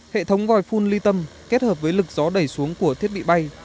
hệ thống vòi phun ly tâm kết hợp với lực gió đẩy xuống của thiết bị bay